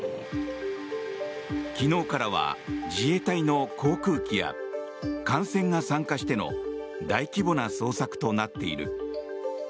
昨日からは自衛隊の航空機や艦船が参加しての大規模な捜索となっている。